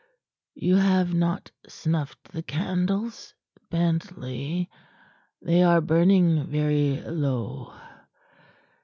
You have not snuffed the candles, Bentley. They are burning very low."